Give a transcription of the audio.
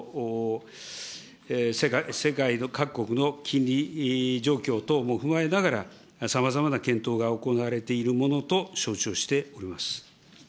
世界の各国の金利状況等も踏まえながら、さまざまな検討が行われているものと承知をしております。